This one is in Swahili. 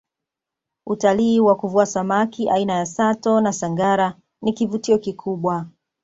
utalii wa kuvua samaki aina ya sato na sangara ni kivutio kikubwa